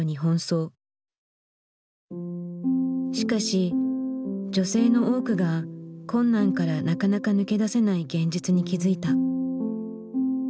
しかし女性の多くが困難からなかなか抜け出せない現実に気付いた。